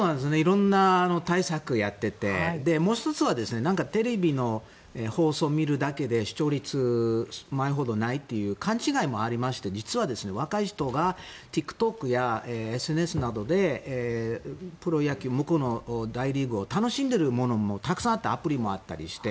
色んな対策をやっていてもう１つはテレビの放送を見るだけで視聴率、前ほどないという勘違いもありまして実は若い人がＴｉｋＴｏｋやＳＮＳなどでプロ野球、向こうの大リーグを楽しんでいるものもたくさんあってアプリもあったりして。